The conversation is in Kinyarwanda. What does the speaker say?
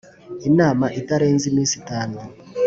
inama itarenze iminsi itanu